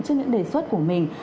trên những đề xuất của mình